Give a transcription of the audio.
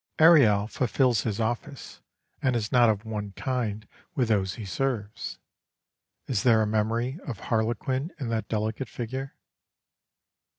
Ariel fulfils his office, and is not of one kind with those he serves. Is there a memory of Harlequin in that delicate figure?